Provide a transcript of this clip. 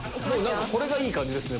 これがいい感じですね。